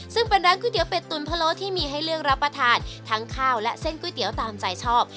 ซึ่งเป็นร้านก๋วยเตี๋เป็ดตุ๋นพะโล้ที่มีให้เลือกรับประทานทั้งข้าวและเส้นก๋วยเตี๋ยวตามใจชอบ